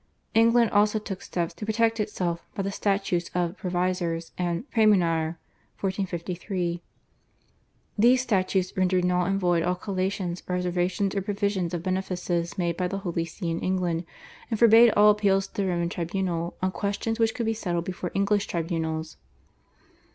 England also took steps to protect itself by the Statutes of /Provisors/ and /Praemunire/ (1453). These statutes rendered null and void all collations, reservations or provisions of benefices made by the Holy See in England, and forbade all appeals to the Roman tribunal on questions which could be settled before English tribunals.